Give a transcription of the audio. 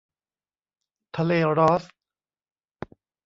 ทะเลรอสส์